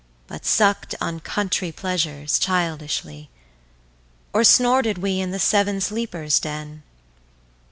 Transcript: But suck'd on countrey pleasures, childishly? Or snorted we in the seaven sleepers den?